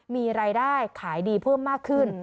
มีรายได้ขายดีเพิ่มมากขึ้น